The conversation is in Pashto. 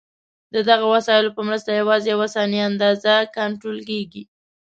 د دغو وسایلو په مرسته یوازې یوه ثابته اندازه کنټرول کېږي.